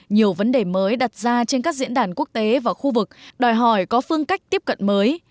nhiều vấn đề mới đặt ra trên các diễn đàn quốc tế và khu vực đòi hỏi có phương cách tiếp cận mới